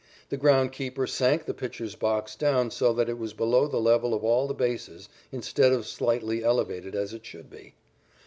The ground keeper sank the pitcher's box down so that it was below the level of all the bases instead of slightly elevated as it should be.